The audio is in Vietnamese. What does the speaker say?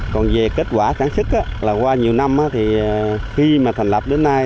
còn về kết quả sản xuất là qua nhiều năm thì khi mà thành lập đến nay